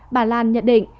bà lan nhận định